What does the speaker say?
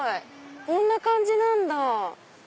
こんな感じなんだ。